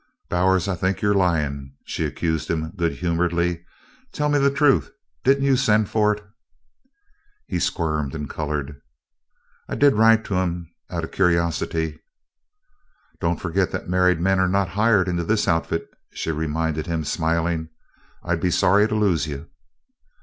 "Bowers, I think you're lying," she accused him good humoredly. "Tell me the truth didn't you send for it?" He squirmed and colored. "I did write to 'em out of cur'osity." "Don't forget that married men are not hired into this Outfit," she reminded him, smiling. "I'd be sorry to lose you."